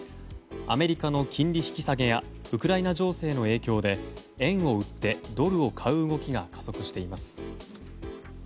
アメリカの金利引き下げやウクライナ情勢の影響で円を売ってドルを買う動きが加速しています。